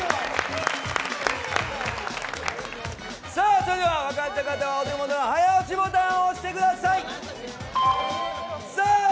それでは分かった方はお手元の早押しボタンを押してください。